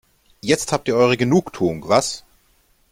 Jetzt habt ihr eure Genugtuung, was?